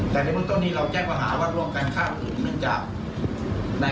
แต่ว่าส่วนในใกล้ที่ว่าทำพิธีน้ำมนต์ทำอย่างไรเราก็คืนส่วนนะครับ